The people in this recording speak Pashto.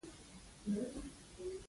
ترې اخیستنه یې بیا ناځواني ده.